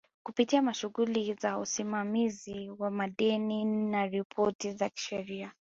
kupitia shughuli za usimamizi wa madeni na ripoti za kisheria